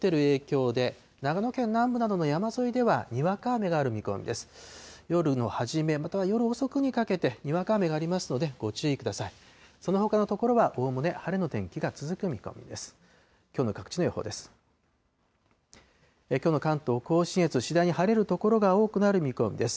そのほかの所はおおむね晴れの天気が続く見込みです。